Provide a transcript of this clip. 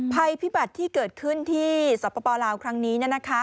ภัยพิบัติที่เกิดขึ้นที่สปลาวครั้งนี้